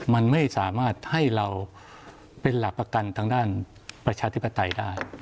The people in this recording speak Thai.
มันไม่สามารถให้เราเป็นหลักประกันทางด้านประชาธิปไตยได้